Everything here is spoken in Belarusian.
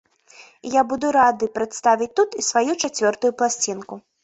І я буду рады прадставіць тут і сваю чацвёртую пласцінку.